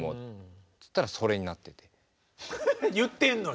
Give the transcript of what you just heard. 言ってんのに。